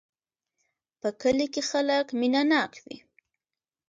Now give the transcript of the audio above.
په کلي کې خلک مینه ناک وی